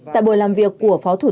tại buổi làm việc của phó chủ tịch